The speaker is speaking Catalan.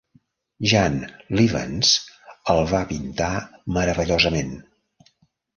Jan Lievens el va pintar meravellosament.